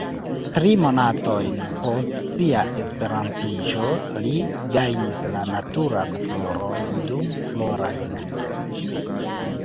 Tri monatojn post sia E-iĝo li gajnis la naturan floron dum Floraj Ludoj.